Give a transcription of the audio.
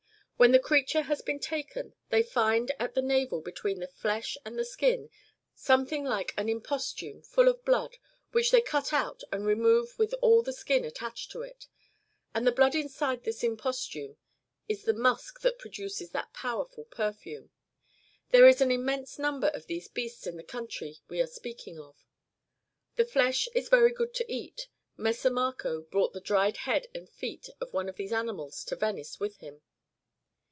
When the creature has been taken, they find at the navel between the flesh and the skin something like an impostume full of blood, which they cut out and remove with all the skin attached to it. And the blood inside this impostume is the musk that produces that powerful perfume. There is an immense number of these beasts in the country we are speaking of. [The flesh is very good to eat. Messer Marco brought the dried head and feet of one of these animals to Venice with him."